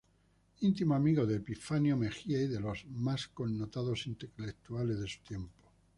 Intimo amigo de Epifanio Mejía y de los más connotados intelectuales de su tiempo.